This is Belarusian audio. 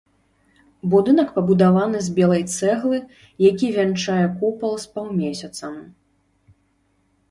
Будынак пабудаваны з белай цэглы, які вянчае купал з паўмесяцам.